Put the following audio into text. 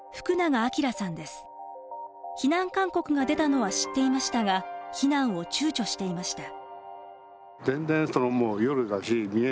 避難勧告が出たのは知っていましたが避難を躊躇していました。